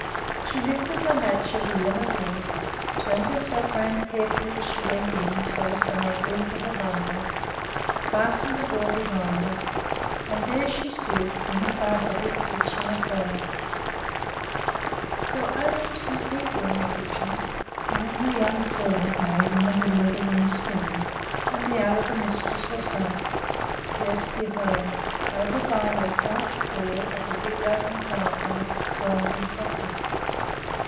She lifted the latch of the inner door, turned herself around carefully as she went in so as to make room for her bundle, fastened the door behind her and there she stood inside the big kitchen at Hoel! [Illustration: THE BIG KITCHEN AT HOEL FARM] There were only two people in the kitchen, one a young servant maid in the middle of the room spinning, and the other the mistress herself, Kjersti Hoel, over by the white wall of the big open fireplace, grinding coffee.